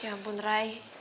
ya ampun ray